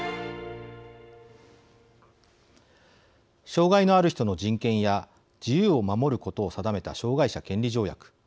障害のある人の人権や自由を守ることを定めた障害者権利条約。